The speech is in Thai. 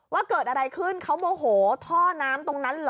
ว่าเกิดอะไรขึ้นเขาโมโหท่อน้ำตรงนั้นเหรอ